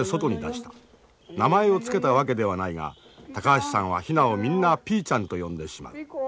名前を付けたわけではないが高橋さんはヒナをみんなピーちゃんと呼んでしまう。